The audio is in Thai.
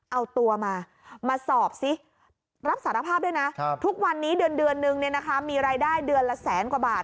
เอาตัวมามาสอบสิรับสารภาพด้วยนะทุกวันนี้เดือนนึงมีรายได้เดือนละแสนกว่าบาท